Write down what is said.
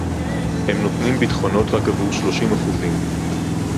הם נותנים ביטחונות רק עבור שלושים אחוזים